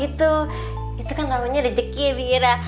itu namanya rezeki birat